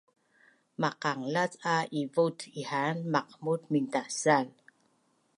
Maqanglac a ivut ihaan maqmut mintasal